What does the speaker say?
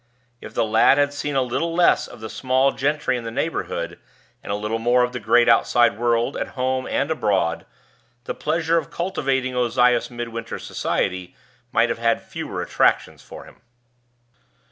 If the lad had seen a little less of the small gentry in the neighborhood, and a little more of the great outside world at home and abroad, the pleasure of cultivating Ozias Midwinter's society might have had fewer attractions for him.